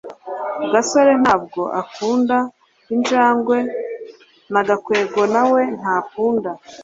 gasore ntabwo akunda injangwe na gakwego nawe ntakunda